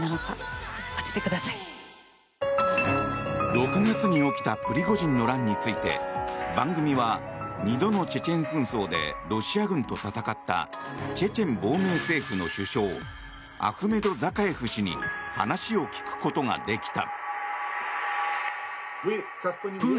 ６月に起きたプリゴジンの乱について番組は、２度のチェチェン紛争でロシア軍と戦ったチェチェン亡命政府の首相アフメド・ザカエフ氏に話を聞くことができた。